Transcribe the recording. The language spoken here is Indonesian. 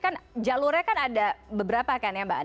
kan jalurnya kan ada beberapa kan ya mbak